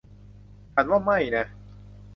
ฉันว่าไม่นะ